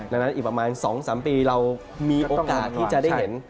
ดังนั้นอีกประมาณ๒๓ปีเรามีโอกาสที่จะได้เห็น